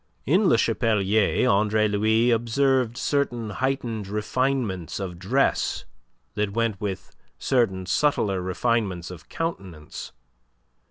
In Le Chapelier, Andre Louis observed certain heightened refinements of dress that went with certain subtler refinements of countenance.